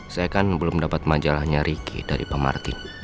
saya kan belum dapat majalahnya ricky dari pak martin